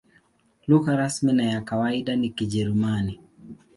Lugha rasmi na ya kawaida ni Kijerumani.